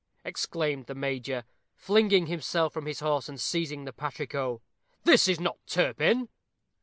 exclaimed the Major, flinging himself from his horse, and seizing the patrico; "this is not Turpin."